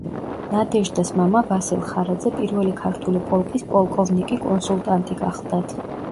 ნადეჟდას მამა ვასილ ხარაძე, პირველი ქართული პოლკის პოლკოვნიკი-კონსულტანტი გახლდათ.